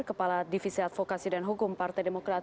kepala divisi advokasi dan hukum partai demokrat